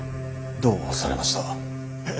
どうされました。